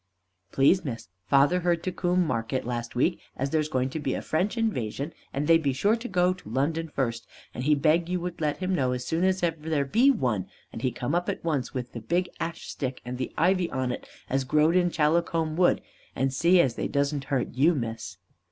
Please Miss, father heard to Coom market last week, as there's going to be a French invasion, and they be sure to go to London first, and he beg you to let him know as soon as ever there be one, and he come up at once with the big ash stick and the ivy on it as growed in Challacombe wood, and see as they doesn't hurt you, Miss.